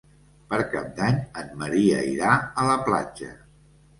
Per Cap d'Any en Maria irà a la platja.